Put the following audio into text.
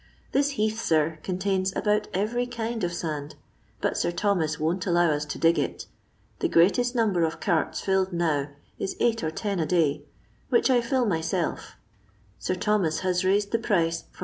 This heath, sir, contiuns aboat every kind of sand, but Sir Thomas won't allow us to dig it. The greatest number of carts filled now ia eight or ten a day, which I fill myiei£ Sir Thomas has raised the price from 3